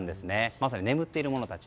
まさに眠っているものたち。